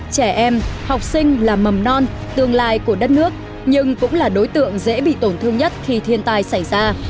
trẻ em học sinh là mầm non tương lai của đất nước nhưng cũng là đối tượng dễ bị tổn thương nhất khi thiên tai xảy ra